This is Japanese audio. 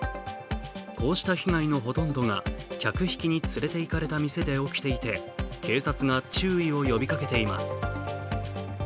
こうした被害のほとんどが客引きに連れていかれた店で起きていて警察が注意を呼びかけています。